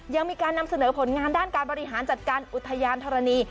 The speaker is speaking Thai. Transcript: ยังมีการนำเสนอผลงานด้านการบริหารจัดการอุทยานธรณี